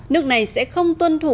nước này sẽ không tuân thủ